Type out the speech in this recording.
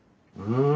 うん。